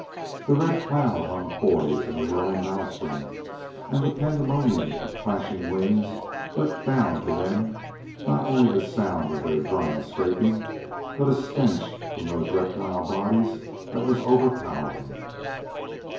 The red cloud hung poised in a whirling maelstrom; and the pandemonium of clashing wings whipped down to them not only the sound of their dry scraping but a stench from those reptile bodies that was overpowering.